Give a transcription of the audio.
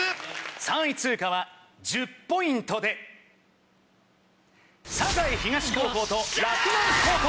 ３位通過は１０ポイントで栄東高校と洛南高校。